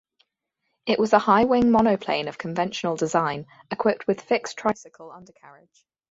It was a high-wing monoplane of conventional design, equipped with fixed tricycle undercarriage.